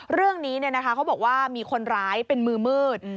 เรื่องนี้เขาบอกว่ามีคนร้ายเป็นมือมืด